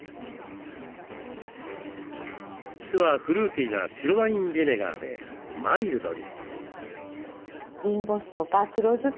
酢はフルーティーな白ワインビネガーでマイルドに。